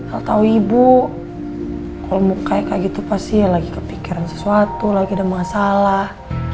el tau ibu kalo mukanya kayak gitu pasti lagi kepikiran sesuatu lagi ada masalah